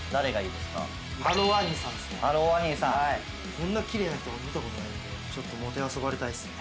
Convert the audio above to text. こんなきれいな人僕見た事ないんでちょっと弄ばれたいですね。